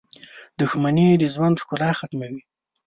• دښمني د ژوند ښکلا ختموي.